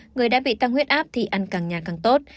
người đã bị tăng huyết áp thì ăn càng nhà càng tốt